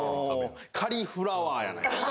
カリフラワーやないか。